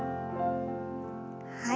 はい。